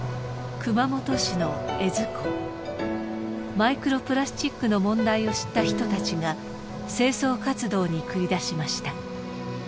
マイクロプラスチックの問題を知った人たちが清掃活動に繰り出しました。